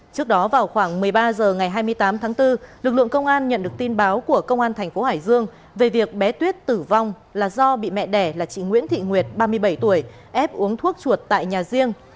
trước đó vào khoảng một mươi ba h ngày hai mươi tám tháng bốn lực lượng công an nhận được tin báo của công an thành phố hải dương về việc bé tuyết tử vong là do bị mẹ đẻ là chị nguyễn thị nguyệt ba mươi bảy tuổi ép uống thuốc chuột tại nhà riêng